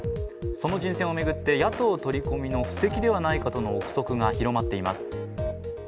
その人選を巡って野党取り込みの布石ではないかとの臆測が広まっています。